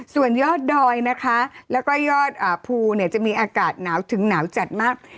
ส่วนยอดดอยด์นะคะก็ยอดด์ภูมิจะมีอากาศถึงหนาวจัดมาก